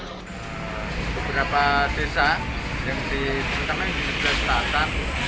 beberapa desa yang ditemukan di sebelah selatan